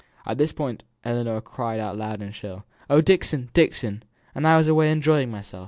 At this point Ellinor cried out loud and shrill. "Oh, Dixon! Dixon! and I was away enjoying myself."